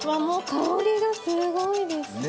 もう香りがすごいです。